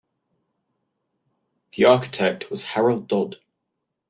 The architect was Harold Dod.